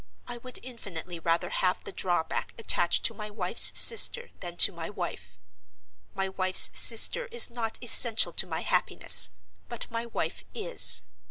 —I would infinitely rather have the drawback attached to my wife's sister than to my wife. My wife's sister is not essential to my happiness, but my wife is.